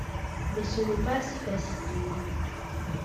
Mais ce n'est pas si facile...